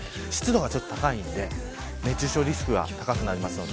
湿度が高いので熱中症リスクが高くなります。